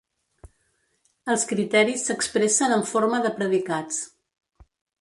Els criteris s'expressen en forma de predicats.